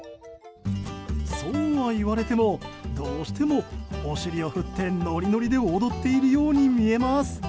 そうは言われてもどうしてもお尻を振ってノリノリで踊っているように見えます。